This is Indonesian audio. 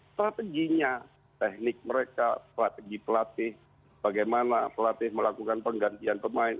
strateginya teknik mereka strategi pelatih bagaimana pelatih melakukan penggantian pemain